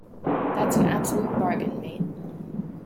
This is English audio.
That's an absolute bargain mate.